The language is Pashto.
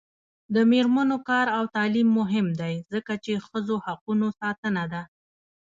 د میرمنو کار او تعلیم مهم دی ځکه چې ښځو حقونو ساتنه ده.